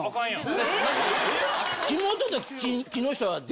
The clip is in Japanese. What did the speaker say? ・え？